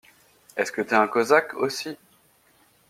Est-ce que t'es un Cosaque aussi?